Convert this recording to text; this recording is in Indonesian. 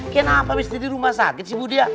kenapa mesti di rumah sakit sih budia